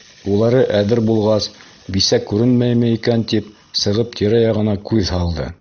Улары әҙер булғас, бисә күренмәйме икән тип, сығып, тирә-яғына күҙ һалды.